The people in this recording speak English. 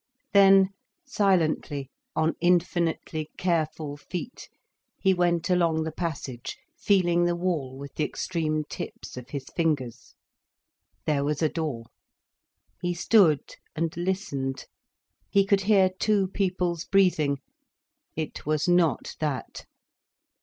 Then, silently, on infinitely careful feet, he went along the passage, feeling the wall with the extreme tips of his fingers. There was a door. He stood and listened. He could hear two people's breathing. It was not that.